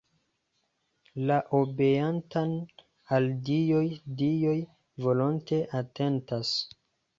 La obeantan al dioj dioj volonte atentas.